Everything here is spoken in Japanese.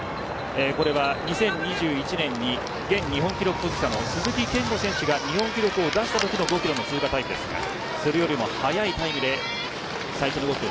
これは２０２１年に日本記録保持者の鈴木健吾選手が日本記録を出したときの５キロの通過タイムですがそれよりも速いタイムです。